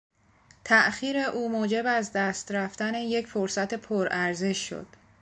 تاخیر او موجب از دست رفتن یک فرصت پرارزش شد.